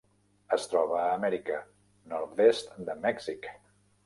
Es troba a Amèrica: nord-est de Mèxic.